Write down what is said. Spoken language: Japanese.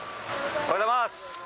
おはようございます。